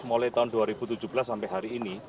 mulai tahun dua ribu tujuh belas sampai hari ini